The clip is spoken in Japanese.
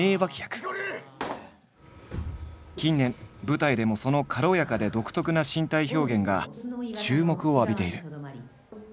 近年舞台でもその軽やかで独特な身体表現が注目を浴びている。